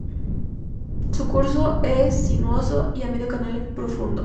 Su curso es sinuoso y a medio canal es profundo.